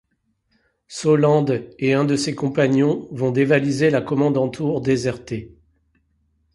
Solande et un de ses compagnons vont dévaliser la Kommandantur désertée.